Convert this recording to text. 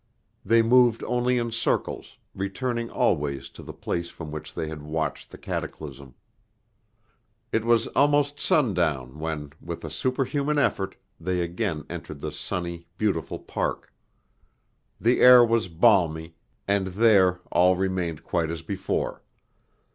They moved only in circles, returning always to the place from which they had watched the cataclysm. It was almost sundown when, with a superhuman effort, they again entered the sunny, beautiful park. The air was balmy, and there all remained quite as before.